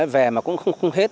về mà cũng không hết